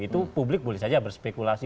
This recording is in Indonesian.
itu publik boleh saja berspekulasi